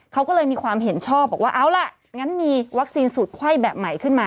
เขาก็เลยมีความเห็นชอบบอกว่าเอาล่ะ